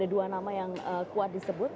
ada dua nama yang kuat disebut